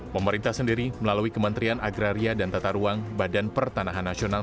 pemerintah sendiri melalui kementerian agraria dan tata ruang badan pertanahan nasional